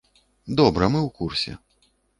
Добра мы ў курсе.